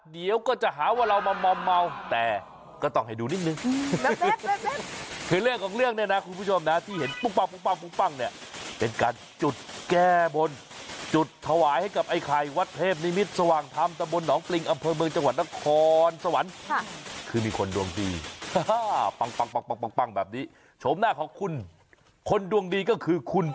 เดี๋ยวจะพาไปดูแต่ก่อนอื่นดูการจุดประทัดก่อน